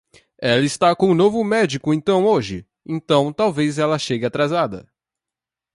Ela está com o novo médico então hoje, então talvez ela chegue atrasada.